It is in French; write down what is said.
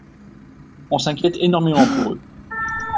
On s'inquiète énormément pour eux.